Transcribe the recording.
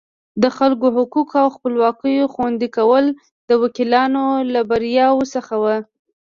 د خلکو حقوقو او خپلواکیو خوندي کول د وکیلانو له بریاوو څخه وو.